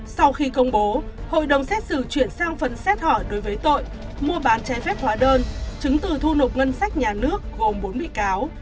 sau khi công bố hội đồng xét xử chuyển sang phần xét hỏi đối với tội mua bán trái phép hóa đơn chứng từ thu nộp ngân sách nhà nước gồm bốn bị cáo